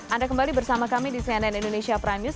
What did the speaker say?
anda kembali bersama kami di cnn indonesia prime news